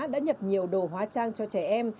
đã nhập nhiều đồ hóa trang cho trẻ em